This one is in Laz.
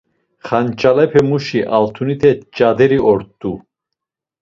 Xanç̌alepemuşi altunite ç̌aderi ort̆u.